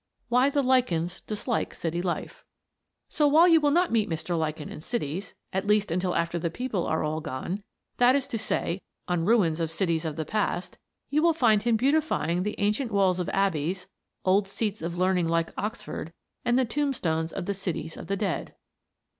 WHY THE LICHENS DISLIKE CITY LIFE So, while you will not meet Mr. Lichen in cities at least, until after the people are all gone; that is to say, on ruins of cities of the past you will find him beautifying the ancient walls of abbeys, old seats of learning like Oxford, and the tombstones of the cities of the dead.